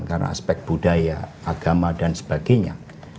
karena aspek budaya agama dan sebagainya